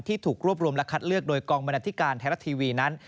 ที่ถูกรวบรวมและคัดเลือกโดยกองบนาธิการแทรกทีวีนั้น